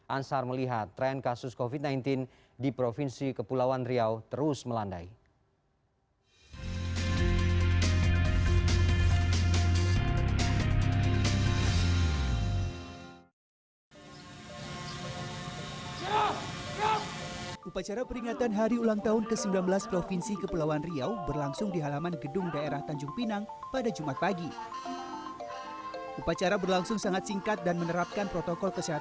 ansar melihat tren kasus covid sembilan belas di provinsi kepulauan riau terus melandai